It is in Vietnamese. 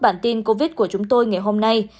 bản tin covid của chúng tôi ngày hôm nay